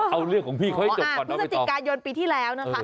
เอาเรื่องของพี่ค่อยให้จบก่อนนะไม่ต้องอ๋อพฤศจิกายนปีที่แล้วนะคะ